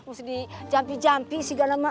mesti dijampi jampi sih gak lama